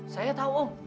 saya tahu om